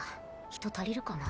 人足りるかな。